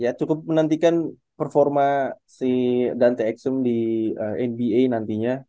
ya cukup menantikan performa si dante eksem di nba nantinya